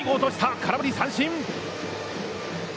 空振り三振！